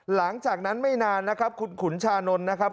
หลังจากนั้นไม่นานนะครับคุณขุนชานนท์นะครับ